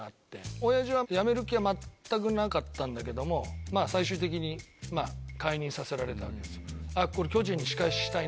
親父は辞める気は全くなかったんだけども最終的に解任させられたわけですよ。